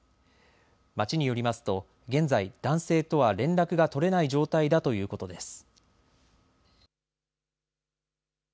町によりますと現在、男性とは連絡が取れない状態だということです。